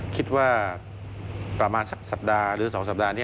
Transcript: คิดว่าประมาณสักสัปดาห์หรือ๒สัปดาห์นี้